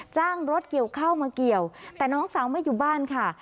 จ้างรถเกี่ยวเข้ามาเกี่ยวแต่น้องสาวไม่อยู่บ้านค่ะ